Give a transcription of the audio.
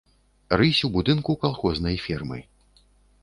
Рысь у будынку калхознай фермы.